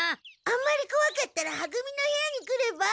あんまりこわかったらは組の部屋に来れば？